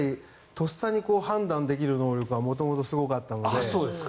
とっさに判断できる能力は元々すごかったので。